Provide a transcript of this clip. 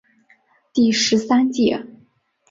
第十三届